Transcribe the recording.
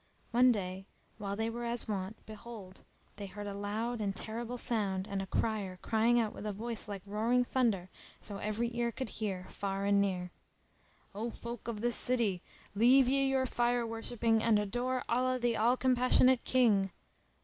One day, while they were as wont, behold, they heard a loud and terrible sound and a crier crying out with a voice like roaring thunder so every ear could hear, far and near, "O folk of this city, leave ye your fire worshipping and adore Allah the All compassionate King!"